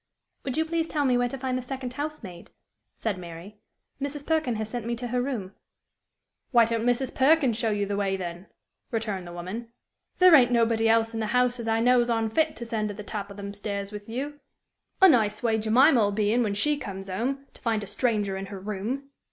"Would you please tell me where to find the second house maid," said Mary. "Mrs. Perkin has sent me to her room." "Why don't Mrs. Perkin show you the way, then?" returned the woman. "There ain't nobody else in the house as I knows on fit to send to the top o' them stairs with you. A nice way Jemim' 'ill be in when she comes 'ome, to find a stranger in her room!"